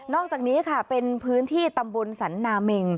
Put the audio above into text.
อกจากนี้ค่ะเป็นพื้นที่ตำบลสันนาเมง